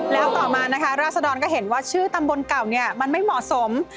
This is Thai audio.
แล้วต่อมานะคะราศดรก็เห็นว่าชื่อตำบลเก่าเนี่ยมันไม่เหมาะสม